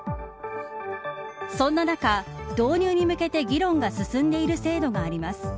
そんな中、導入に向けて議論が進んでいる制度があります。